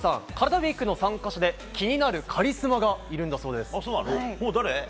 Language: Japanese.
ＷＥＥＫの参加者で気になるカリスマがいるそうです。